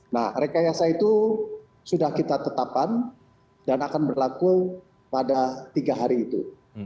nah rekayasa itu sudah kita tetapkan dan akan berlaku pada tiga hari itu